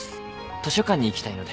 図書館に行きたいので。